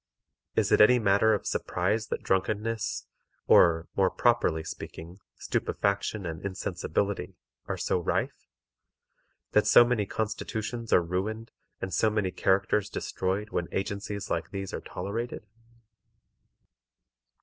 Is it any matter of surprise that drunkenness, or, more properly speaking, stupefaction and insensibility are so rife; that so many constitutions are ruined and so many characters destroyed when agencies like these are tolerated?